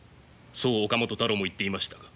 そう岡本太郎も言っていましたが。